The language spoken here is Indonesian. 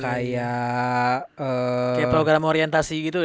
kayak program orientasi gitu ya